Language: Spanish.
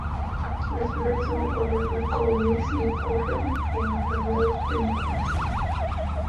Las flores son de color blanco o gris, y ocurren en alargadas panículas.